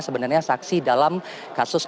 sebenarnya saksi dalam kasus